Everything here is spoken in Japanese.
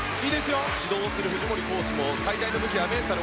指導をする藤森コーチも最大の武器はメンタル。